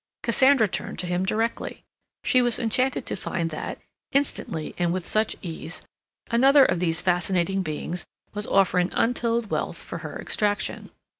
Cassandra turned to him directly. She was enchanted to find that, instantly and with such ease, another of these fascinating beings was offering untold wealth for her extraction.